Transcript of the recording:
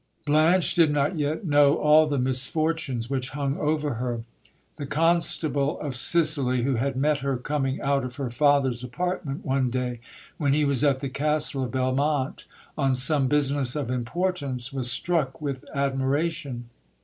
Blanche did not yet know all the misfortunes which hung over her. The constable of Sicily, who had met her coming out of her father's apartment, one day when he was at the castle of Belmonte on some business of importance, was struck with admiration.